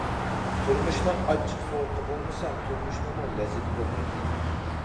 تۇرمۇشنىڭ ئاچچىق سوغۇقى بولمىسا تۇرمۇشنىڭمۇ لەززىتى بولمايدىكەن.